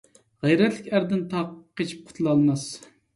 غەيرەتلىك ئەردىن تاغ قېچىپ قۇتۇلالماس.